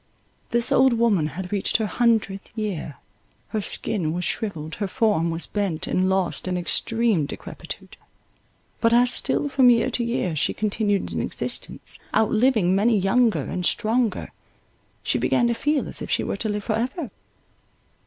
This old woman had reached her hundredth year; her skin was shrivelled, her form was bent and lost in extreme decrepitude; but as still from year to year she continued in existence, out living many younger and stronger, she began to feel as if she were to live for ever.